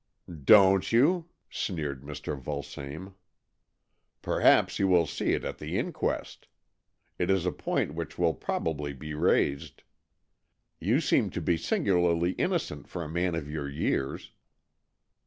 "Don't you?" sneered Mr. Vulsame. " Perhaps you will see it at the inquest. It is a point which will probably be raised. You seem to be singularly innocent for a man of your years."